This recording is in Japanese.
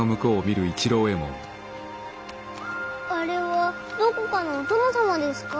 あれはどこかのお殿様ですか？